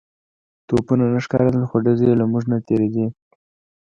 توپونه نه ښکارېدل خو ډزې يې له موږ نه تېرېدې.